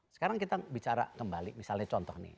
sekarang kita bicara kembali misalnya contoh nih